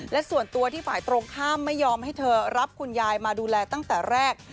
และส่วนตัวที่ฝ่ายตรงข้ามไม่ยอมให้เธอรับคุณยายมาดูแลตั้งแต่แรก